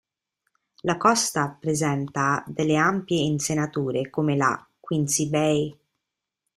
La costa presenta delle ampie insenature come la "Quincy Bay".